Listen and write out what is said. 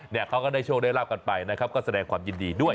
เขาก็ได้โชคได้ราบกันไปนะครับก็แสดงความยินดีด้วย